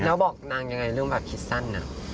แล้วบอกนางยังไงเรื่องแบบคิดสั้น